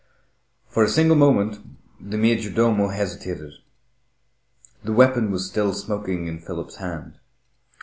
For a single moment the major domo hesitated. The weapon was still smoking in Philip's hand.